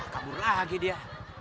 kambur lagi dia